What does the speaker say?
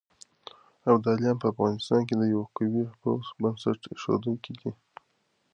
ابداليان په افغانستان کې د يوه قوي پوځ بنسټ اېښودونکي دي.